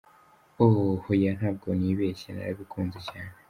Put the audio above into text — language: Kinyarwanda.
Ohh hoya ntabwo nibeshye narabikunze cyane.